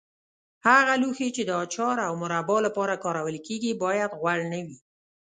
هغه لوښي چې د اچار او مربا لپاره کارول کېږي باید غوړ نه وي.